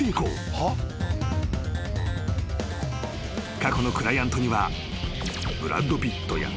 ［過去のクライアントには］